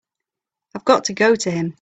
I've got to go to him.